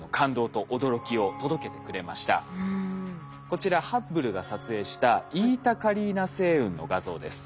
こちらハッブルが撮影したイータカリーナ星雲の画像です。